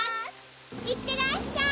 いってらっしゃい。